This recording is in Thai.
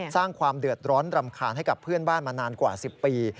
สร้างความเดือดร้อนรำคาญให้กับเพื่อนบ้านมานานกว่า๑๐ปี